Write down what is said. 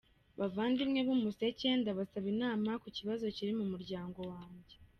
Bavandimwe ba Umuseke ndabasaba inama ku kibazo kiri mu muryango wanjye.